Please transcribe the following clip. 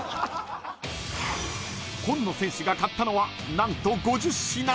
［今野選手が買ったのは何と５０品］